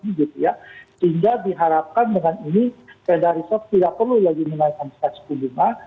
sehingga diharapkan dengan ini federal reserve tidak perlu lagi menaikkan suku bunga